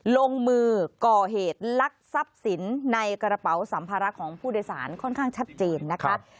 ลงมือก่อเหตุลักทรัพย์สินในกระเป๋าสัมภาระของผู้โดยสารค่อนข้างชัดเจนนะคะ